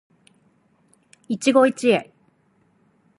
一期一会